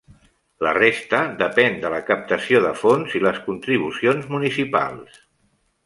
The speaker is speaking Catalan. La resta depèn de la captació de fons i les contribucions municipals.